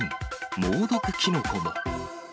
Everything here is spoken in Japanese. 猛毒キノコも。